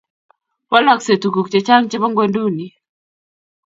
Walaksei tuguk chechang chebo gwenduni